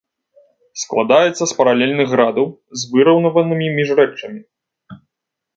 Складаецца з паралельных градаў з выраўнаванымі міжрэччамі.